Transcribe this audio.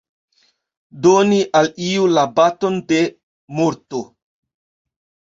Doni al iu la baton de morto.